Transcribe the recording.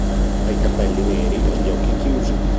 Ha i capelli neri e gli occhi chiusi.